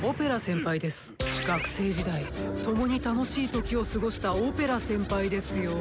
学生時代共に楽しい時を過ごしたオペラ先輩ですよ。